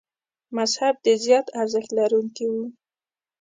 مذهب د زیات ارزښت لرونکي و.